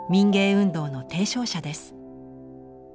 運動の提唱者です。